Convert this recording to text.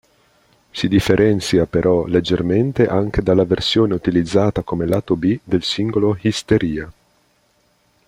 Si differenzia però leggermente anche dalla versione utilizzata come lato B del singolo "Hysteria".